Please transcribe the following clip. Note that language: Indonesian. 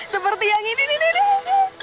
seperti yang ini nih nih nih nih